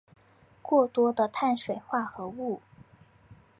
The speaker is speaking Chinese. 过多的碳水化合物